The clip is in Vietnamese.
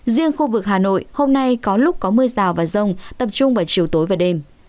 riêng khu vực hà nội hôm nay có lúc có mưa rào và rông tập trung vào chiều tối và đêm